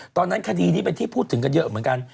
คดีนี้เป็นที่พูดถึงกันเยอะเหมือนกัน